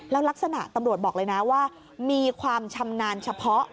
แล้วลักษณะตำรวจบอกเลยนะว่ามีความชำนาญเฉพาะ